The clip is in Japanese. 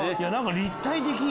立体的。